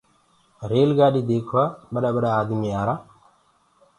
ريل گآڏي ديکوآ ٻڏآ ڀڏآ آدمي آرآ۔